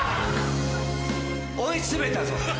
追い詰めたぞ。